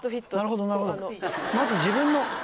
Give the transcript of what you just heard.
まず自分の。